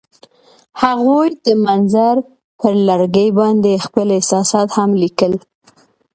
هغوی د منظر پر لرګي باندې خپل احساسات هم لیکل.